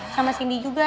sama cindy juga